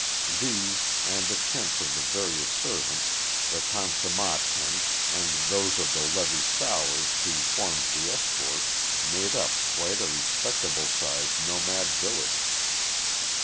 These, and the tents of the various servants, the khansamah tent, and those of the Levy sowars who formed the escort, made up quite a respectable sized nomad village.